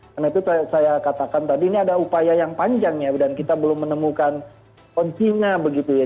dan itu saya katakan tadi ini ada upaya yang panjang ya dan kita belum menemukan kontina begitu ya